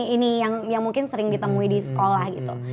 ini yang mungkin sering ditemui di sekolah gitu